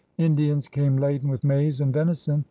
In dians came laden with maize and venison.